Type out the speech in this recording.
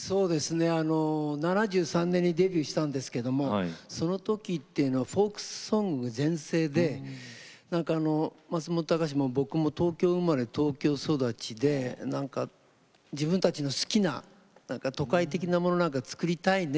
７３年にデビューしたんですがその時はフォークソング全盛で松本隆も僕も東京生まれ、東京育ちで自分たちの好きな都会的なものを作りたいね